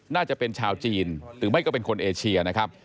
น่าจะเป็นชาวจีนหรือไม่ก็เป็นคนเอเชียนะครับ